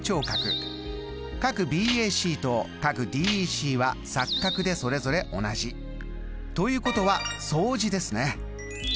ＢＡＣとＤＥＣは錯角でそれぞれ同じ。ということは相似ですね。